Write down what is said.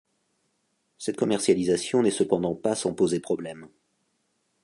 Cette commercialisation n’est cependant pas sans poser problème.